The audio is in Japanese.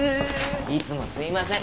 いつもすいません。